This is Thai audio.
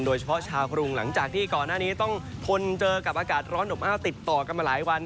โดยเฉพาะชาวกรุงหลังจากที่ก่อนหน้านี้ต้องทนเจอกับอากาศร้อนอบอ้าวติดต่อกันมาหลายวัน